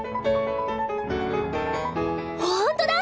ほんとだ！